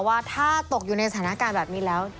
ว่าถ้าตกอยู่ในสถานการณ์แบบนี้แล้ว